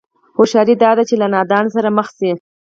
هوښياري دا ده چې له نادانه سره مخ شي.